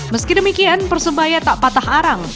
meski demikian persebaya tak patah arang